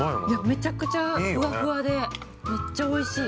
◆めちゃくちゃふわふわでめっちゃおいしい。